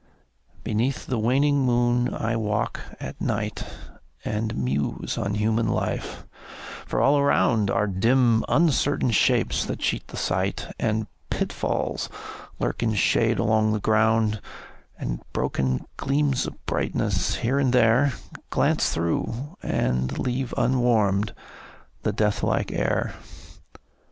Beneath the waning moon I walk at night, And muse on human life for all around Are dim uncertain shapes that cheat the sight, And pitfalls lurk in shade along the ground, And broken gleams of brightness, here and there, Glance through, and leave unwarmed the death like air.